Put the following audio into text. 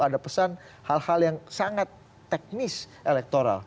ada pesan hal hal yang sangat teknis elektoral